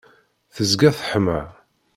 tezga teḥma.